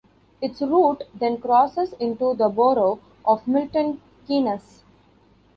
Its route then crosses into the Borough of Milton Keynes.